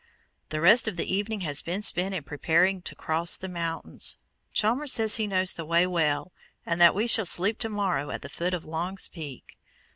The rest of the evening has been spent in preparing to cross the mountains. Chalmers says he knows the way well, and that we shall sleep to morrow at the foot of Long's Peak.